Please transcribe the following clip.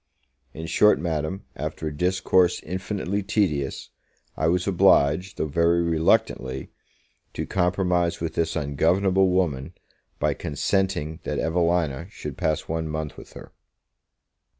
In short, Madam, after a discourse infinitely tedious, I was obliged, though very reluctantly, to compromise with this ungovernable woman, by consenting that Evelina should pass one month with her.